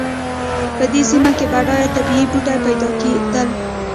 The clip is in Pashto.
په دې سیمه کې بډایه طبیعي بوټي پیدا کېدل.